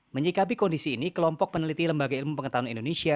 menyikapi kondisi ini kelompok peneliti lembaga ilmu pengetahuan indonesia